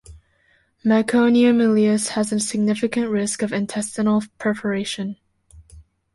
Meconium ileus has a significant risk of intestinal perforation.